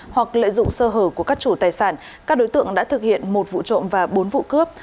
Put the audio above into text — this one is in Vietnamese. hoặc lợi dụng sơ hở của các chủ tài sản các đối tượng đã thực hiện một vụ trộm và bốn vụ cướp